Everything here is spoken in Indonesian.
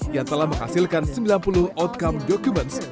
yang telah menghasilkan sembilan puluh outcome documents